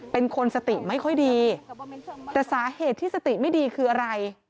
เป็นคนสติไม่ค่อยดีแต่สาเหตุที่สติไม่ดีคืออะไร